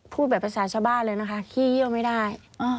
พูดแบบภาษาชาวบ้านเลยนะคะขี้เยี่ยวไม่ได้